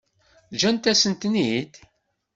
Ǧǧant-asent-tent-id?